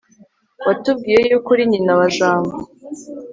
watubwiye y'uko uri nyina wa jambo